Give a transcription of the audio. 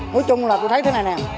nối chung là tôi thấy thế này nè